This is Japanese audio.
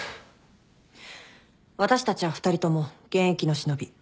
私たちは２人とも現役の忍び。